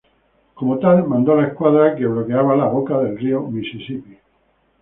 Como tal mandó la escuadra, que bloqueaba la boca del río Misisipi.